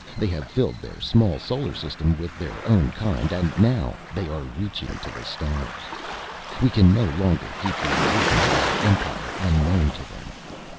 They have filled their small solar system with their own kind and now they are reaching to the stars. We can no longer keep the existence of our Empire unknown to them.